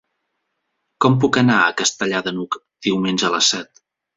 Com puc anar a Castellar de n'Hug diumenge a les set?